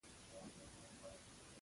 دا څېړنې د نشت په شمار دي.